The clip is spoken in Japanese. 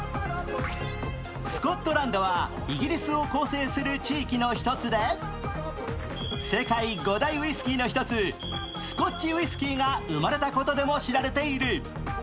スコットランドはイギリスを構成する地域の１つで世界５大ウイスキーの１つ、スコッチウイスキーが生まれたことでも知られている。